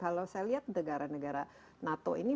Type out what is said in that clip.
kalau saya lihat negara negara nato ini